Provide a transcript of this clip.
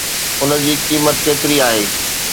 ان جي قيمت ڪيتري آهي؟